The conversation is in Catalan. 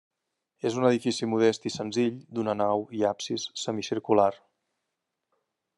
És un edifici modest i senzill d'una nau i absis semicircular.